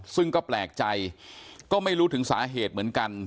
ซึ่งก็แปลกใจก็ไม่รู้ถึงสาเหตุเหมือนกัน